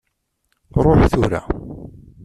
Ṛuḥ tura.